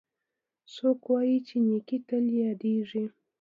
څوک وایي چې نیکۍ تل یادیږي